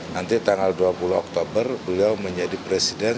nanti tanggal dua puluh oktober beliau menjadi presiden